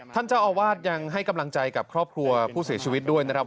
ท่านเจ้าอาวาสยังให้กำลังใจกับครอบครัวผู้เสียชีวิตด้วยนะครับ